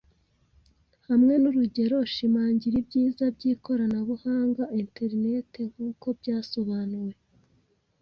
Hamwe nurugero shimangira ibyiza byikoranabuhanga interineti nkuko byasobanuwe